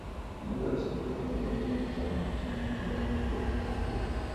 Muchos de los edificios de Lincoln resultaron seriamente dañados durante la contienda.